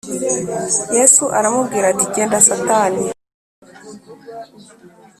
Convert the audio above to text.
Yesu aramubwira ati “Genda Satani